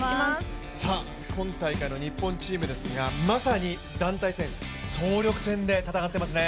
今大会の日本チームですが、まさに団体戦、総力戦で戦っていますね。